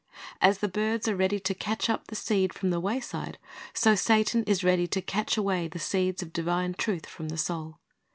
As the birds are ready to catch up the seed from the wayside, so Satan is ready to catch away the seeds of divine truth from the soul.